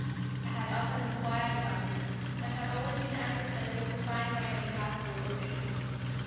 I had often inquired about it, and had always been answered that it was defined by an impassable ocean.